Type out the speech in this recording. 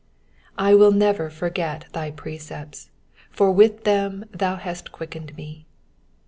93 I will never forget thy precepts : for with them thou hast quickened me.